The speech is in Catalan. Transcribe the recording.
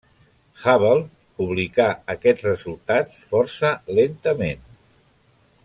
Hubble publicà aquests resultats força lentament.